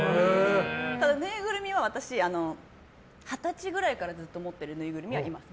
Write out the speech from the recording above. ぬいぐるみは私二十歳ぐらいからずっと持ってるぬいぐるみがあります。